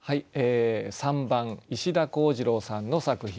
３番石田浩二郎さんの作品。